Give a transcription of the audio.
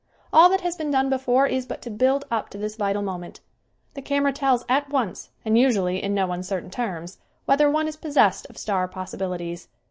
All that has been done before is but to build up to this vital moment. The camera tells at once and usually in no uncertain terms whether one is possessed of star possibilities.